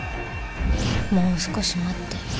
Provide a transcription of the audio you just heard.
もう少し待って